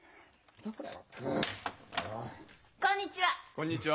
こんにちは！